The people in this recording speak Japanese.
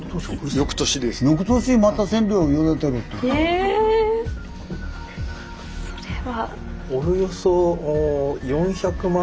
えぇ⁉それは。